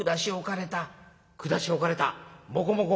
「下しおかれた？もこもこ？」。